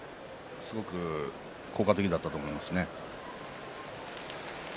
すごく効果的だったと思います。